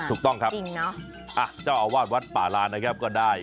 ถูกต้องครับจริงเนอะเจ้าอาวาสวัดป่าลานนะครับก็ได้